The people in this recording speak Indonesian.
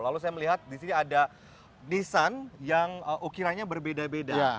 lalu saya melihat di sini ada nissan yang ukirannya berbeda beda